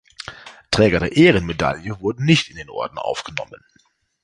Träger der Ehrenmedaille wurden nicht in den Orden aufgenommen.